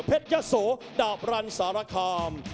ยะโสดาบรันสารคาม